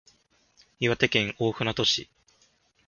岩手県大船渡市